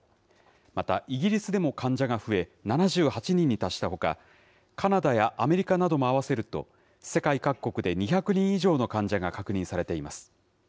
また、イギリスでも患者が増え、７８人に達したほか、カナダやアメリカなども合わせると、世界各国で２００人以上の患者が確認されています。